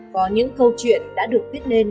có những câu chuyện đã được viết lên